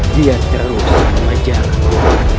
dia terus mengejarku